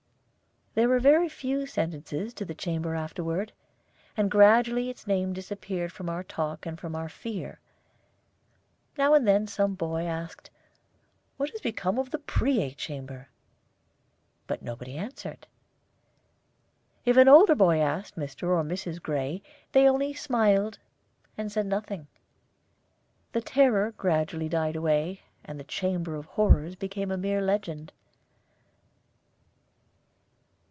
There were very few sentences to the chamber afterward, and gradually its name disappeared from our talk and from our fear. Now and then some boy asked, "What has become of the Preay Chamber?" But nobody answered. If an older boy asked Mr. or Mrs. Gray, they only smiled, and said nothing. The terror gradually died away, and the chamber of horrors became a mere legend.